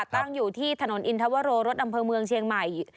ตั้งอยู่ที่ถนนอินทวโรรสอำเภอเมืองเชียงใหม่